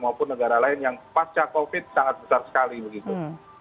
maupun negara lain yang pasca covid sangat besar sekali begitu